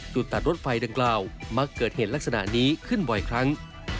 ตัดรถไฟดังกล่าวมักเกิดเหตุลักษณะนี้ขึ้นบ่อยครั้ง